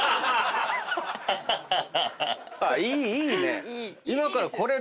いいね！